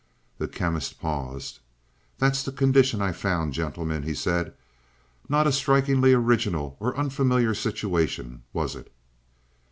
The Chemist paused. "That's the condition I found, gentlemen," he said. "Not a strikingly original or unfamiliar situation, was it?"